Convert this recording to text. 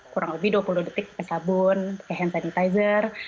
kurang lebih dua puluh detik pakai sabun pakai hand sanitizer